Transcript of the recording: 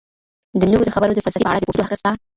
د نورو د خبرو د فلسفې په اړه د پوهیدو حق سته.